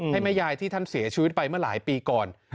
ให้แม่ยายที่ท่านเสียชีวิตไปเมื่อหลายปีก่อน